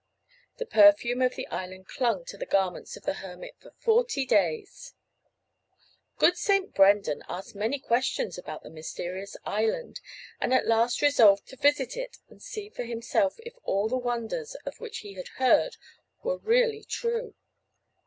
The perfume of the island clung to the garments of the hermit for forty days. Good St. Brendan asked many questions about the mysterious island and at last resolved to visit it and see for himself if all the wonders of which he had heard were really true.